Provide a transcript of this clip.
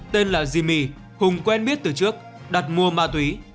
tên là zimi hùng quen biết từ trước đặt mua ma túy